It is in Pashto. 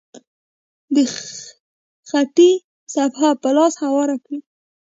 د خټې صفحه په لاسو هواره کړئ.